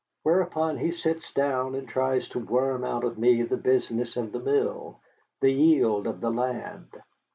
Whereupon he sits down and tries to worm out of me the business of the mill, the yield of the land.